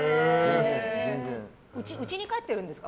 うちに帰ってるんですか？